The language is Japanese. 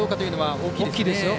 大きいですね